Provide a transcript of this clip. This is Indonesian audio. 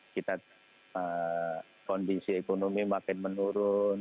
kondisi ekonomi makin menurun